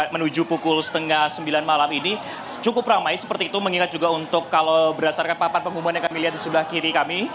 menuju pukul setengah sembilan malam ini cukup ramai seperti itu mengingat juga untuk kalau berdasarkan papan pengumuman yang kami lihat di sebelah kiri kami